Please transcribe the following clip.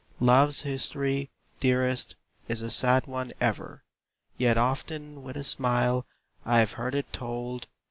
Love's history, dearest, is a sad one ever, Yet often with a smile I've heard it told!